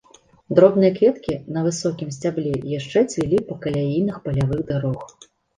Дробныя кветкі на высокім сцябле яшчэ цвілі па каляінах палявых дарог.